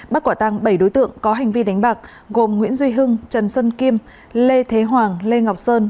bắt quả tăng bảy đối tượng có hành vi đánh bạc gồm nguyễn duy hưng trần sơn kim lê thế hoàng lê ngọc sơn